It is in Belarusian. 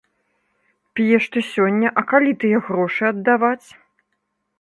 П'еш ты сёння, а калі тыя грошы аддаваць?